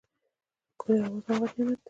ښکلی اواز هم غټ نعمت دی.